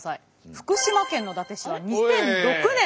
福島県の伊達市は２００６年。